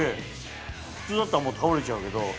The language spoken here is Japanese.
普通だったらもう倒れちゃうけど。